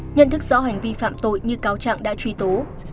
nhận thức rõ hành vi phạm tội như cáo trạng đã truy tố